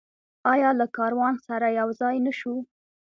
آیا له کاروان سره یوځای نشو؟